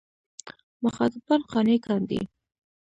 مخاطبان قانع کاندي.